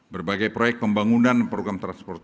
berbagai proyek pembangunan program transportasi